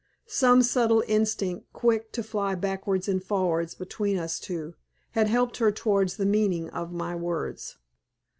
Some subtle instinct, quick to fly backwards and forwards between us two, had helped her towards the meaning of my words.